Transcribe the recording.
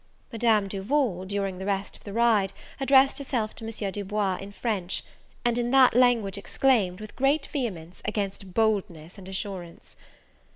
Madame Duval, during the rest of the ride, addressed herself to M. Du Bois in French, and in that language exclaimed, with great vehemence, against boldness and assurance.